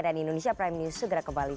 dan indonesia prime news segera kembali